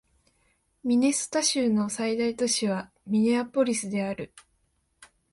ミネソタ州の最大都市はミネアポリスである